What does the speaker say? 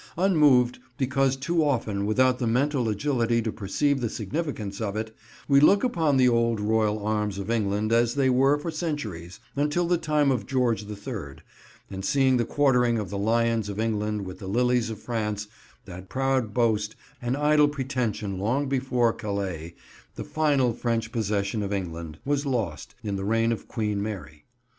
Unmoved, because too often without the mental agility to perceive the significance of it, we look upon the old royal arms of England as they were for centuries, until the time of George the Third, and see the quartering of the Lions of England with the Lilies of France; that proud boast, an idle pretension long before Calais, the final French possession of England, was lost, in the reign of Queen Mary.